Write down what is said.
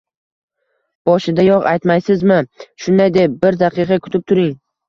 Boshidayoq aytmaysizmi shunday deb. Bir daqiqa kutib turing.